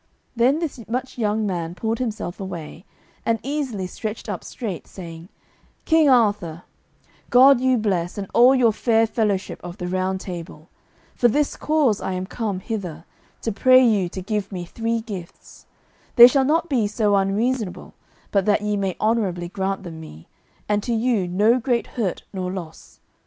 Then this much young man pulled himself away, and easily stretched up straight, saying: "King Arthur, God you bless and all your fair fellowship of the Round Table. For this cause I am come hither, to pray you to give me three gifts. They shall not be so unreasonable but that ye may honourably grant them me, and to you no great hurt nor loss.